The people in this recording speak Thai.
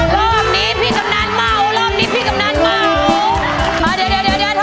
รอบนี้พี่กำนันเมารอบนี้พี่กำนันเมา